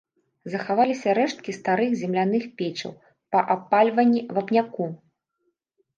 Захаваліся рэшткі старых земляных печаў па абпальванні вапняку.